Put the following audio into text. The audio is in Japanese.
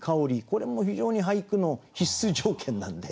これも非常に俳句の必須条件なんで。